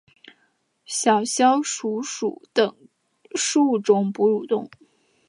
小啸鼠属等之数种哺乳动物。